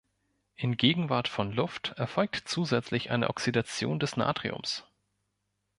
In Gegenwart von Luft erfolgt zusätzlich eine Oxidation des Natriums.